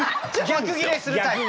逆ギレするタイプ。